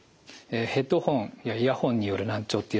ヘッドホンやイヤホンによる難聴っていうのはですね